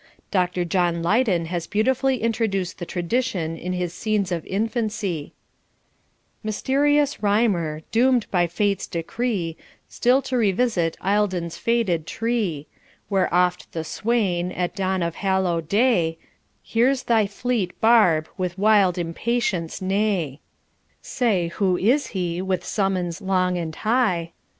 Doctor John Leyden has beautifully introduced the tradition in his Scenes of Infancy: Mysterious Rhymer, doom'd by fate's decree, Still to revisit Eildon's fated tree; Where oft the swain, at dawn of Hallow day, Hears thy fleet barb with wild impatience neigh; Say who is he, with summons long and high.